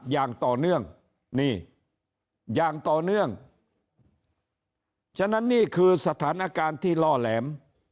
อย่างต่อเนื่องนี่อย่างต่อเนื่องฉะนั้นนี่คือสถานการณ์ที่ล่อแหลม